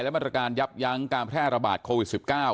และมาตรการยับยั้งการแพร่ระบาดโควิด๑๙